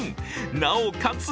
なおかつ